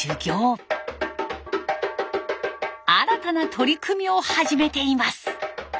新たな取り組みを始めています。